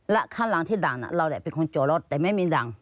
แล้วข้างหลังที่ดั่งเราเป็นคนจดแล้วแต่ไม่มีดั่ง